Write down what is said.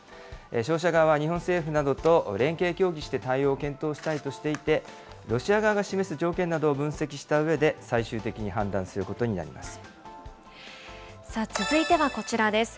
商社側は、日本政府などと連携・協議して対応を検討したいとしていて、ロシア側が示す条件などを分析したうえで、最終的に判断することにな続いてはこちらです。